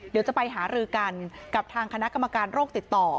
เดี๋ยวจะไปหารือกันกับทางคณะกรรมการโรคติดต่อ